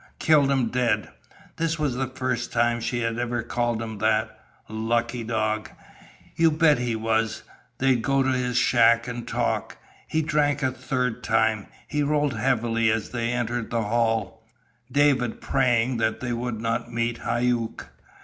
Killed him dead. This was the first time she had ever called him that. Lucky dog? You bet he was. They'd go to his shack and talk. He drank a third time. He rolled heavily as they entered the hall, David praying that they would not meet Hauck.